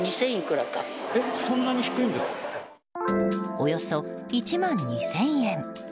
およそ１万２０００円。